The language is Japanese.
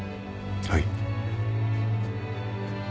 はい。